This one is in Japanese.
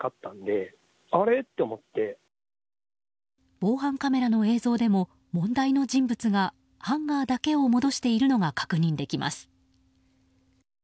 防犯カメラの映像でも問題の人物がハンガーだけを戻しているのが確認できます。